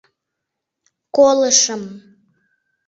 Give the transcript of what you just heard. Колышым.